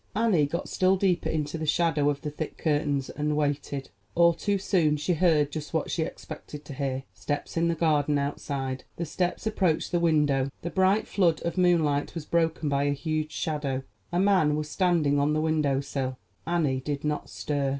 Annie got still deeper into the shadow of the thick curtains, and waited. All too soon she heard just what she expected to hear—steps in the garden outside; the steps approached the window. The bright flood of moonlight was broken by a huge shadow; a man was standing on the window sill. Annie did not stir.